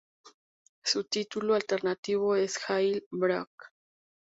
Su título alternativo es Jail Break.